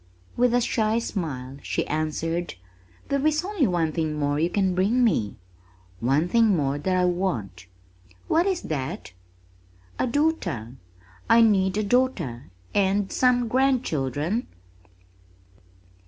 With a shy smile she answered, "There is only one thing more you can bring me, one thing more that I want." "What is that?" "A daughter. I need a daughter and some grandchildren."